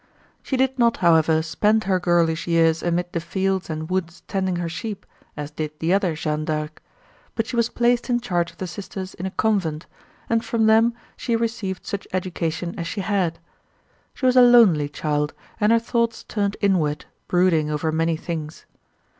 She did not, however, spend her girlish years amid the fields and woods tending her sheep, as did the other Jeanne d'Arc; but she was placed in charge of the sisters in a convent, and from them she received such education as she had. She was a lonely child, and her thoughts turned inward, brooding over many things.